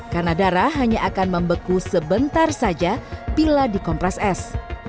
karena darah hanya akan membeku sebentar saja bila dikompres es